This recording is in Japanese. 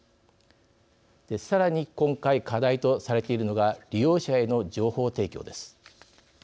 さらに今回課題とされているのが利用者への情報提供です。